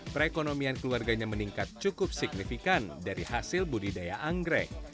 perekonomian keluarganya meningkat cukup signifikan dari hasil budidaya anggrek